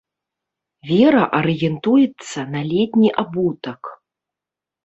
Вера арыентуецца на летні абутак.